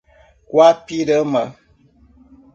Guapirama